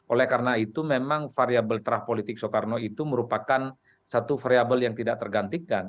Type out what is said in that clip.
oleh karena itu memang variable trah politik soekarno itu merupakan satu variable yang tidak tergantikan